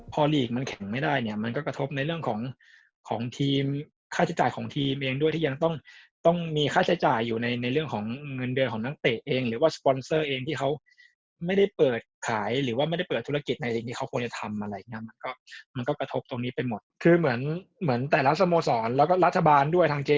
พอลีกมันแข็งไม่ได้เนี่ยมันก็กระทบในเรื่องของของทีมค่าใช้จ่ายของทีมเองด้วยที่ยังต้องต้องมีค่าใช้จ่ายอยู่ในในเรื่องของเงินเดือนของนักเตะเองหรือว่าสปอนเซอร์เองที่เขาไม่ได้เปิดขายหรือว่าไม่ได้เปิดธุรกิจในสิ่งที่เขาควรจะทำอะไรอย่างเงี้ยมันก็มันก็กระทบตรงนี้ไปหมดคือเหมือนเหมือนแต่ละสโมสรแล้วก็รัฐบาลด้วยทางเจ